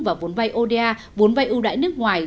và vốn vay oda vốn vay ưu đãi nước ngoài